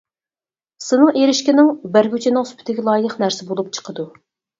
سېنىڭ ئېرىشكىنىڭ بەرگۈچىنىڭ سۈپىتىگە لايىق نەرسە بولۇپ چىقىدۇ.